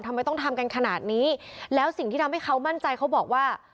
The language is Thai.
ทำไมต้องทำกันขนาดนี้แล้วสิ่งที่ทำให้เขามั่นใจเขาบอกว่า